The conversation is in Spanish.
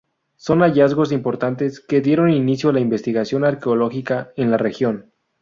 Son hallazgos importantes, que dieron inicio a la investigación arqueológica en la región.